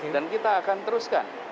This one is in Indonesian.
dan kita akan teruskan